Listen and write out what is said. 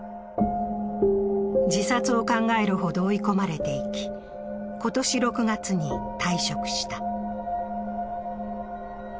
自殺を考えるほど追い込まれていき、今年６月に退職した。